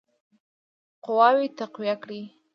قواوي تقویه کړي.